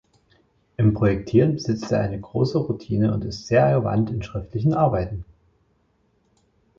Im Projektieren besitzt er eine große Routine und ist sehr gewandt in schriftlichen Arbeiten.